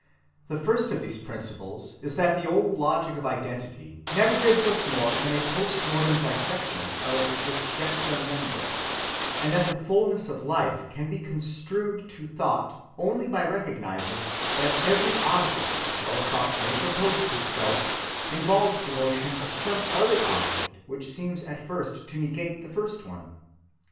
The first of these principles is that the old logic of identity never gives us more than a post‐mortem dissection of disjecta membra, and that the fullness of life can be construed to thought only by recognizing that every object which our thought may propose to itself involves the notion of some other object which seems at first to negate the first one.